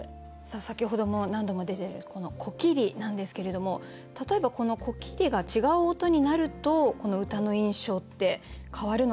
先ほども何度も出てるこの「こきり」なんですけれども例えばこの「こきり」が違う音になるとこの歌の印象って変わるのかなと思うんですが。